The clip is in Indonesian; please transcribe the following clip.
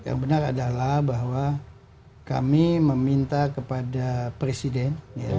yang benar adalah bahwa kami meminta kepada presiden